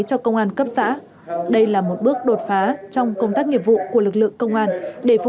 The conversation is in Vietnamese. cho công an cấp xã đây là một bước đột phá trong công tác nghiệp vụ của lực lượng công an để phục